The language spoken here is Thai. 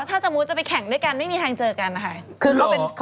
ถ้าสมมุติจะไปแข่งด้วยกันไม่มีทางเจอกันนะคะ